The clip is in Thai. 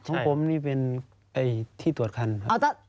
ของผมนี่เป็นที่ตรวจคันครับ